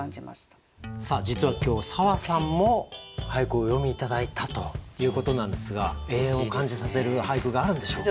実は今日砂羽さんも俳句をお詠み頂いたということなんですが永遠を感じさせる俳句があるんでしょうか？